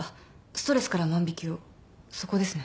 ストレスから万引をそこですね。